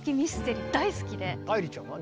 愛理ちゃんは？